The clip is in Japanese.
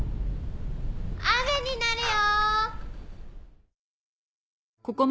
雨になるよ！